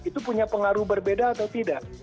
itu punya pengaruh berbeda atau tidak